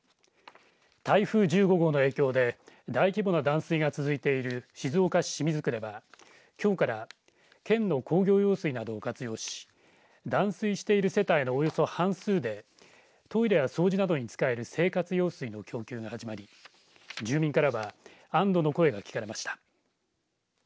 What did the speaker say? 台風１５号の影響で大規模な断水が続いている静岡市清水区ではきょうから県の工業用水などを活用し断水している世帯のおよそ半数でトイレや掃除などに使える生活用水の供給が始まり住民からは安どの声が聞かれました。